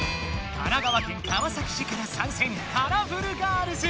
神奈川県川崎市からさん戦！カラフルガールズ！